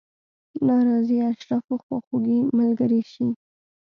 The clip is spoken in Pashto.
ناراضي اشرافو خواخوږي ملګرې شي.